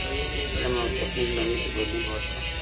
علم او تخنیک نړۍ ته بدلون ورکړ.